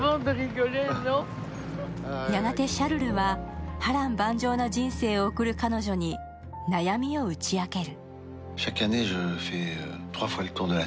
やがてシャルルは、波乱万丈な人生を送る彼女に悩みを打ち明ける。